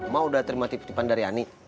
mau udah terima titipan dari ani